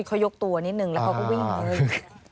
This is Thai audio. เขายกตัวนิดนึงแล้วเขาก็วิ่งเลย